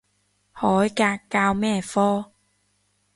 海格教咩科？